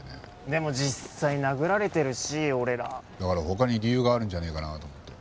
でも実際殴られてるし俺ら。だから他に理由があるんじゃねえかなと思って。